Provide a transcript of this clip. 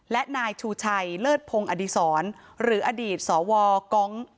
และนายชูชัยเลิศพงศ์อดีศรหรืออดีตสวกอง